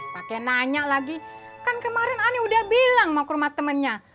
pakai nanya lagi kan kemarin ani udah bilang mau ke rumah temannya